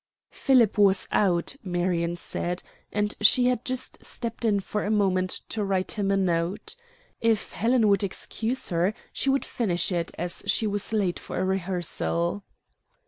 Philip was out, Marion said, and she had just stepped in for a moment to write him a note. If Helen would excuse her, she would finish it, as she was late for rehearsal.